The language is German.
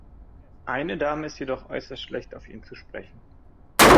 Eine Dame ist jedoch äußerst schlecht auf ihn zusprechen.